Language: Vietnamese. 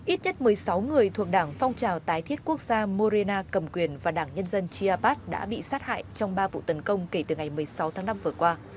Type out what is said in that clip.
ít nhất một mươi sáu người thuộc đảng phong trào tái thiết quốc gia morena cầm quyền và đảng nhân dân chia apat đã bị sát hại trong ba vụ tấn công kể từ ngày một mươi sáu tháng năm vừa qua